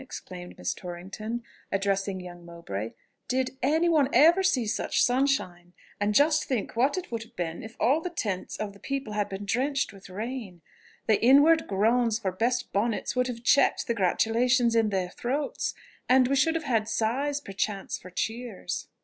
exclaimed Miss Torrington, addressing young Mowbray. "Did any one ever see such sunshine!... And just think what it would have been if all the tents of the people had been drenched with rain! The inward groans for best bonnets would have checked the gratulations in their throats, and we should have had sighs perchance for cheers."